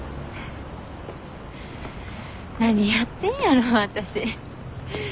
何やってんやろわたし。